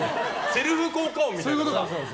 セルフ効果音みたいな。